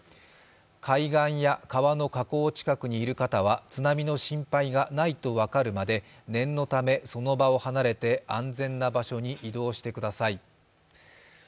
海岸や川の河口近くにいる方は津波の心配がないと分かるまで念のため、その場を離れて安全な場所に移動してください。